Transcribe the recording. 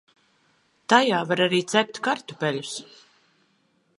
Tajā var arī cept kartupeļus.